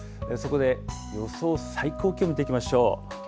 そこで予想最高気温見ていきましょう。